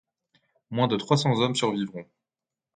Moins de trois cents hommes survivront.